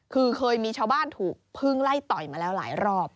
คือเคยมีชาวบ้านถูกพึ่งไล่ต่อยมาแล้วหลายรอบ